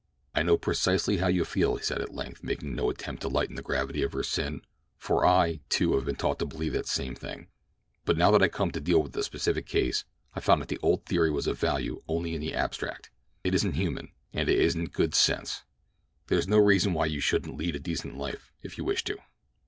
"I know precisely how you feel," he said at length, making no attempt to lighten the gravity of her sin, "for I, too, have been taught to believe that same thing: but now that I come to deal with a specific case I find that the old theory was of value only in the abstract—it isn't human, and it isn't good sense. There is no reason why you shouldn't lead a decent life if you wish to.